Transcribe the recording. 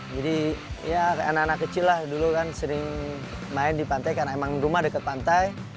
jadi ya anak anak kecil lah dulu kan sering main di pantai karena emang rumah dekat pantai